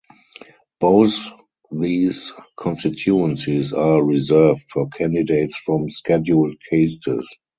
Both these constituencies are reserved for candidates from Scheduled Castes.